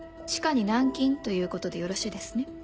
地下に軟禁ということでよろしいですね。